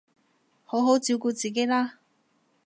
好好照顧自己啦